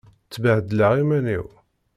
Tebbhedleḍ iman-im.